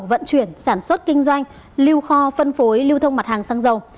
vận chuyển sản xuất kinh doanh lưu kho phân phối lưu thông mặt hàng xăng dầu